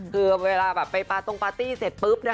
เหมือนเวลาไปตรงปาร์ตี้เสร็จปุ๊บ